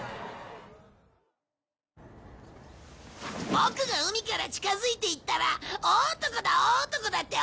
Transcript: ボクが海から近づいていったら「大男だ大男だ」って大騒ぎ！